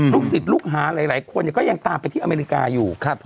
ลูกศิษย์ลูกฮาหลายคนเนี่ยก็ยังตามไปที่อเมริกาอยู่ครับ